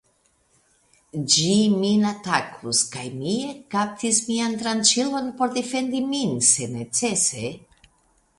Ĝi min atakus kaj mi ekkaptis mian tranĉilon por defendi min, se necese.